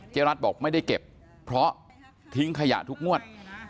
รัฐบอกไม่ได้เก็บเพราะทิ้งขยะทุกงวด